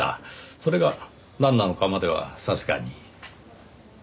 それがなんなのかまではさすがに。